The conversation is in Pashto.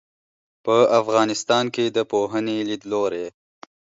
په افغانستان کې د پوهنې لیدلورى